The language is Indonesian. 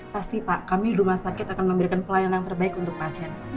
pasti pak kami rumah sakit akan memberikan penanganan terbaik untuk pasien